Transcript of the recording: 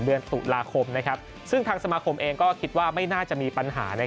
เดือนตุลาคมซึ่งทางสมาคมเองก็คิดว่าไม่น่าจะมีปัญหา